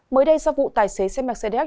mới đây do vụ tài xế xe mercedes benz